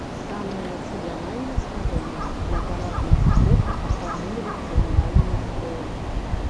Самыя нацыянальна свядомыя для параднага фота апранулі нацыянальныя строі.